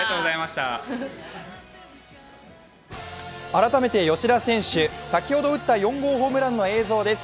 改めて吉田選手、先ほど打った４号ホームランの映像です。